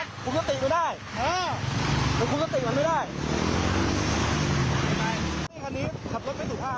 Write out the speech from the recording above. คุ้มสติกมันไม่ได้